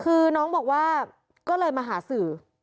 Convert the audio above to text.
คือน้องบอกว่าก็เลยมาหาสื่อ